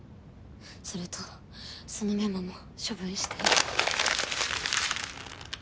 それとそのメモも処分して。